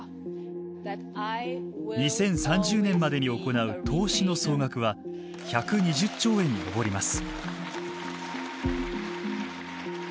２０３０年までに行う投資の総額は１２０兆円に上ります。